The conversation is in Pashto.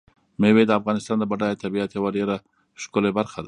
مېوې د افغانستان د بډایه طبیعت یوه ډېره ښکلې برخه ده.